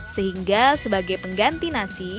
sehingga sebagai pengganti nasi